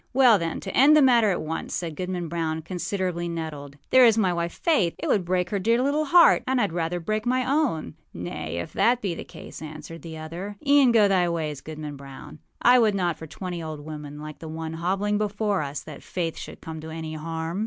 â âWell, then, to end the matter at once,â said Goodman Brown, considerably nettled, âthere is my wife, Faith. It would break her dear little heart; and Iâd rather break my own.â âNay, if that be the case,â answered the other, âeâen go thy ways, Goodman Brown. I would not for twenty old women like the one hobbling before us that Faith should come to any harm.